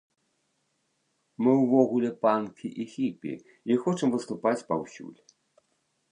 Мы ўвогуле панкі і хіпі, і хочам выступаць паўсюль.